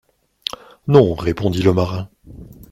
Non, répondit le marin.